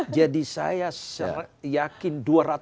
jadi saya yakin dua ratus